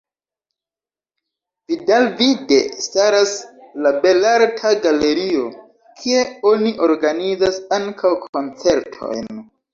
Vidalvide staras la Belarta Galerio, kie oni organizas ankaŭ koncertojn.